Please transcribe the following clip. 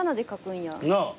なあ。